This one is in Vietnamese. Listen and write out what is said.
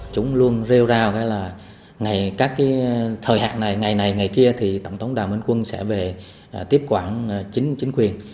chúng luôn rêu rao cái là ngày các cái thời hạn này ngày này ngày kia thì tổng thống đào minh quân sẽ về tiếp quản chính chính quyền